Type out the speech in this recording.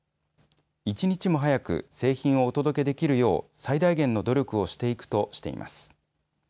一日も早く製品をお届けできるよう最大限の努力をしていくとしています。